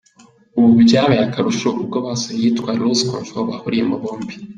Ubu byabaye akarusho ubwo basohoye iyitwa ‘Lose Control’ bahuriyemo bombi.